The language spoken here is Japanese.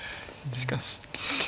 しかし。